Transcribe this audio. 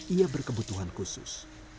ia berkebutuhan khusus